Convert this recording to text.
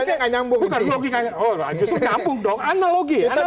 oh justru nyambung dong analogi analogi